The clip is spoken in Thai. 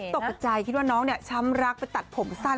ตกใจคิดว่าน้องเนี่ยช้ำรักไปตัดผมสั้น